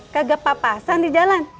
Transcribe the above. kagak papasan di jalan